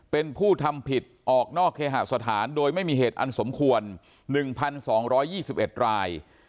เป็นผู้ทำผิดออกนอกเคหสถานโดยไม่มีเหตุอันสมควร๑๒๒๑ราย